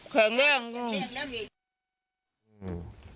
แข็งแรงมั้ยครับ